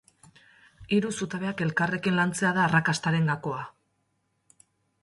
Hiru zutabeak elkarrekin lantzea da arrakastaren gakoa.